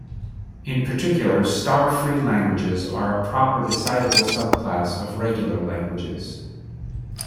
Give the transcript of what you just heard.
In particular star-free languages are a proper decidable subclass of regular languages.